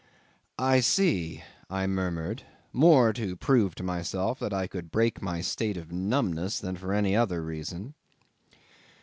'"I see," I murmured, more to prove to myself that I could break my state of numbness than for any other reason.